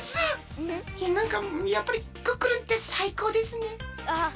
いやなんかやっぱりクックルンってさいこうですね。